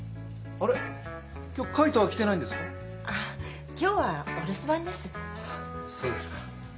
あぁそうですか。